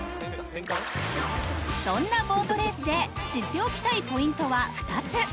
そんなボートレースで知っておきたいポイントは２つ。